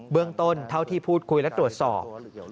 เรื่องต้นเท่าที่พูดคุยและตรวจสอบ